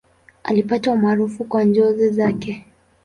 Alipata umaarufu kwa njozi zake.